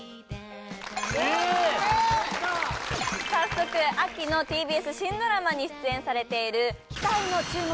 早速秋のＴＢＳ新ドラマに出演されている期待の注目